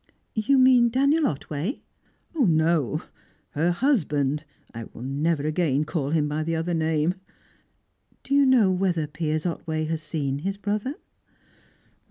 "You mean Daniel Otway?" "No her husband I will never again call him by the other name." "Do you know whether Piers Otway has seen his brother?"